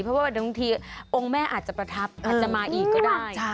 เพราะว่าบางทีองค์แม่อาจจะประทับอาจจะมาอีกก็ได้